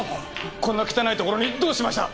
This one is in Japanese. こんな汚いところにどうしました？